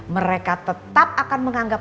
mereka tetap akan menganggap